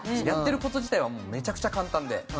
やってる事自体はめちゃくちゃ簡単で。